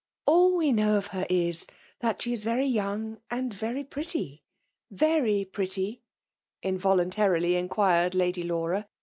. AH we luiow of her is, that she i6 very yeuqg^and very pretty.'* •^ Fiery pretty ?"— involuntarily inquirei laly Laura.